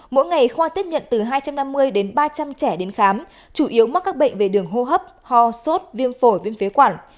mỗi ngày khoa tiếp nhận từ hai trăm năm mươi đến ba trăm linh trẻ đến khám chủ yếu mắc các bệnh về đường hô hấp ho sốt viêm phổi viêm phế quản